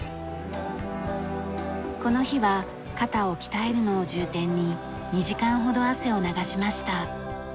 この日は肩を鍛えるのを重点に２時間ほど汗を流しました。